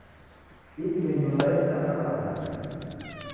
Idime nyumba esinda kabwa rangi